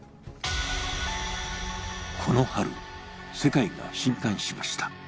この春、世界が震かんしました。